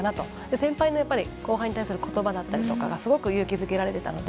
先輩の後輩に対することばだったりがすごく勇気づけられていたので。